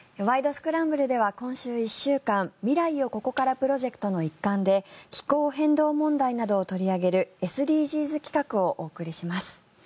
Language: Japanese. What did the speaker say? スクランブル」では今週１週間未来をここからプロジェクトの一環で気候変動問題などを取り上げるＳＤＧｓ企画をお送りします。